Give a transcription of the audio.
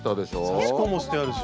刺し子もしてあるし。